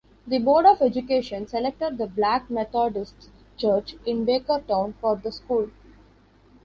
The Board of Education selected the Black Methodist Church in Bakerton for the school.